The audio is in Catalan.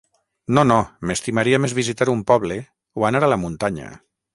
No, no, m'estimaria més visitar un poble, o anar a la muntanya.